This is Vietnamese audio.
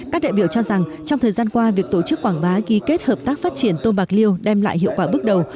các đại biểu cho rằng trong thời gian qua việc tổ chức quảng bá ghi kết hợp tác phát triển tôm bạc liêu đem lại hiệu quả bước đầu